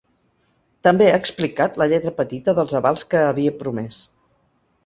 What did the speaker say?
També ha explicat la lletra petita dels avals que havia promès.